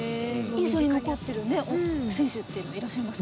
印象に残ってる選手っていうのはいらっしゃいますか？